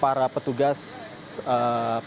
para petugas yang terdampak di sini